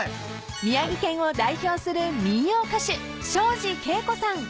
［宮城県を代表する民謡歌手庄司恵子さん］